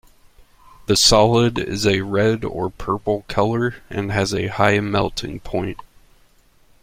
The solid is a red or purple color and has a high melting point.